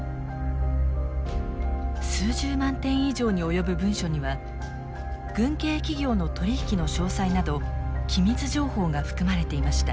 数十万点以上に及ぶ文書には軍系企業の取り引きの詳細など機密情報が含まれていました。